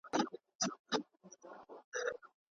که تعلیم دوامدار وي، مهارتونه نه هېرېږي.